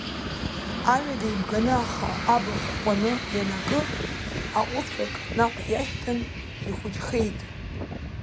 Аҩада ибганы аха, абахә ҟәаны ианакы, аҟәыҵәак наҟ иашьҭын, ихәыҷхеит.